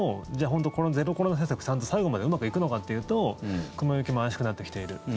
本当にこのゼロコロナ政策ちゃんと最後までうまくいくのかというと雲行きも怪しくなってきている。